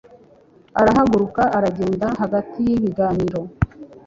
arahaguruka aragenda hagati y'ibiganiro